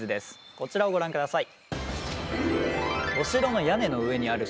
こちらをご覧ください。